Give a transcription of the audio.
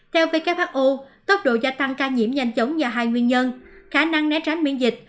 theo who tốc độ gia tăng ca nhiễm nhanh chóng và hai nguyên nhân khả năng né tránh miễn dịch